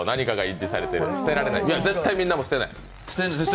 絶対にみんなも捨てない。